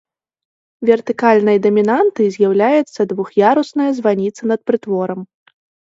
Вертыкальнай дамінантай з'яўляецца двух'ярусная званіца над прытворам.